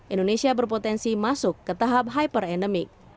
indonesia berpotensi masuk ke tahap hyperendemik